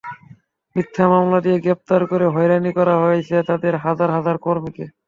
মিথ্যা মামলা দিয়ে, গ্রেপ্তার করে হয়রানি করা হয়েছে তাদের হাজার হাজার কর্মীকে।